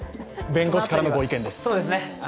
弁護士からのご意見です。